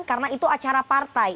karena itu acara partai